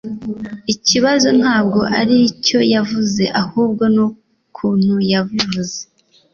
Ikibazo ntabwo aricyo yavuze ahubwo nukuntu yabivuze